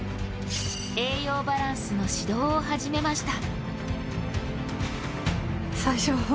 栄養バランスの指導を始めました。